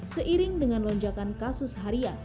seiring dengan lonjakan kasus harian